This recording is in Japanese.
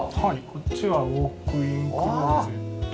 こっちはウォークインクローゼットですね。